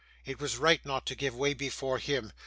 It was right not to give way before him.